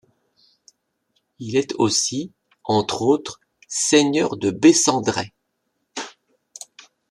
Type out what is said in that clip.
Il est aussi, entre autres, seigneur de Bessandrey.